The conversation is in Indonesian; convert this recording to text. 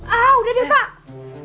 ah udah deh pak